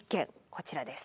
こちらです。